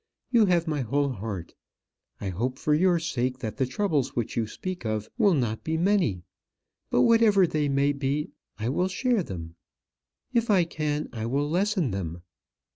You have my whole heart. I hope, for your sake, that the troubles which you speak of will not be many; but whatever they may be, I will share them. If I can, I will lessen them.